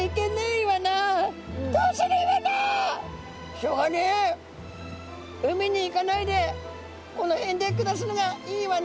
「しょうがねえ海に行かないでこの辺で暮らすのがイイワナ」。